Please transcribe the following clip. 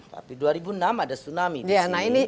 tapi dua ribu enam ada tsunami di sana